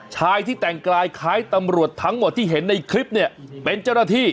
ชายที่แต่งกายคล้ายตำรวจทั้งหมดที่เห็นในคลิปเนี่ยเป็นเจ้าหน้าที่